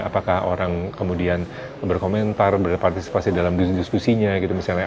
apakah orang kemudian berkomentar berpartisipasi dalam diskusinya gitu misalnya